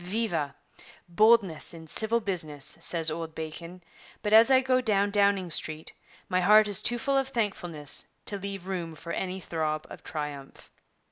Viva! "Boldness in civil business," says old Bacon, but as I go down Downing Street my heart is too full of thankfulness to leave room for any throb of triumph.'